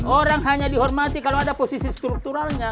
orang hanya dihormati kalau ada posisi strukturalnya